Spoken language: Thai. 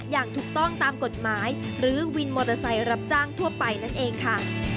อย่างถูกต้องตามกฎหมายหรือวินมอเตอร์ไซค์รับจ้างทั่วไปนั่นเองค่ะ